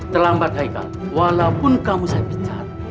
terlambat aika walaupun kamu saya pincat